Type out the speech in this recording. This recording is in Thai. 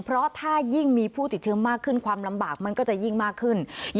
เพราะถ้ายิ่งมีผู้ติดเชื้อมากขึ้นความลำบากมันก็จะยิ่งมากขึ้น